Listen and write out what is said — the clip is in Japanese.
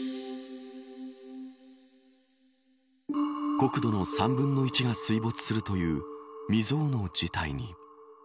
国土の３分の１が水没するという未曾有の事態に。